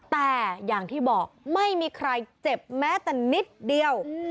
แต่อย่างที่บอกไม่มีใครเจ็บแม้แต่นิดเดียว